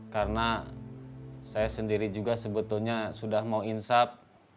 karena saya sendiri juga sebetulnya sudah mau insap